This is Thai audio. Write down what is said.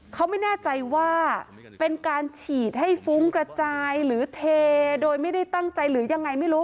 เขาไม่แน่ใจว่าเป็นการฉีดให้ฟุ้งกระจายหรือเทโดยไม่ได้ตั้งใจหรือยังไงไม่รู้